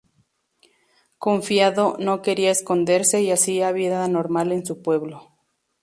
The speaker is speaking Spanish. Confiado, no quería esconderse y hacía vida normal en su pueblo.